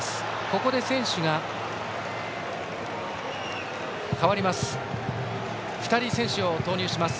ここで選手が代わります。